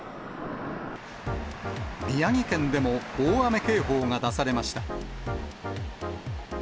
宮城県でも大雨警報が出されました。